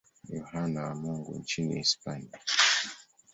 Yohane wa Mungu nchini Hispania.